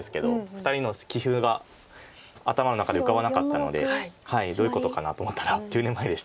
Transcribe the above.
２人の棋風が頭の中で浮かばなかったのでどういうことかなと思ったら９年前でした。